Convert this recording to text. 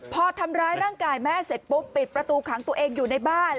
พอทำร้ายร่างกายแม่เสร็จปุ๊บปิดประตูขังตัวเองอยู่ในบ้าน